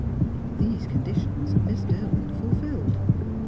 These conditions Miss Derwent fulfilled.